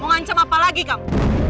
mau ngancam apa lagi kang